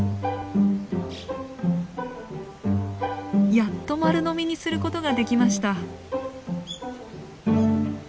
やっと丸飲みにすることができました。